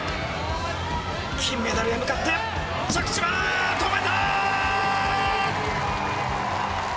金メダルへ向かって着地は止めた！